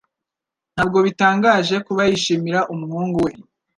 Ntabwo bitangaje kuba yishimira umuhungu we.